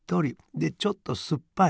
でちょっとすっぱい。